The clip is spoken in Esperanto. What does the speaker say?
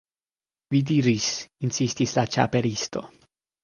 "Vi diris" insistis la Ĉapelisto.